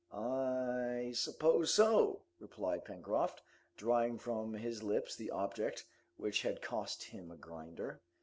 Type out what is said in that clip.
"I suppose so," replied Pencroft, drawing from his lips the object which had cost him a grinder